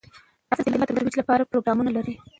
افغانستان د طلا د ترویج لپاره پروګرامونه لري.